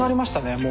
もう。